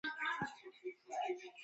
ممپلي و خورئ.